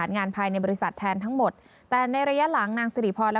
ถ้าเล่าให้ลูกฟังหลายนี่นะ